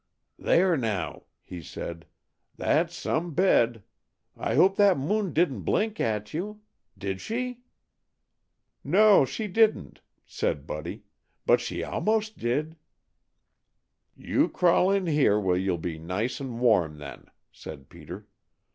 "There, now!" he said. "That's some bed! I hope that moon didn't blink at you. Did she?" "No, she didn't," said Buddy. "But she almost did." "You crawl in here where you'll be nice and warm, then," said Peter.